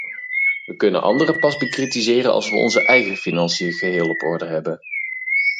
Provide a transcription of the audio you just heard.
We kunnen anderen pas bekritiseren als we onze eigen financiën geheel op orde hebben.